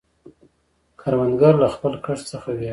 کروندګر له خپل کښت څخه ویاړي